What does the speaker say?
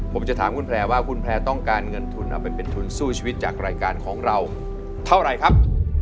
ผมจะถามคุณแพลร์ว่าคุณแพลร์ต้องการเงินทุนเอาไปเป็นทุนสู้ชีวิตจากรายการของเราเท่าไรครับ